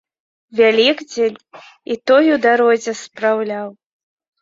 Вялікдзень і той у дарозе спраўляў.